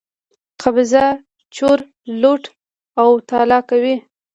قبضه، چور، لوټ او تالا کوي.